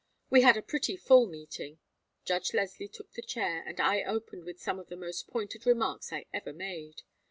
We had a pretty full meeting. Judge Leslie took the chair, and I opened with some of the most pointed remarks I ever made.